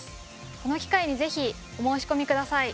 この機会にぜひお申し込みください。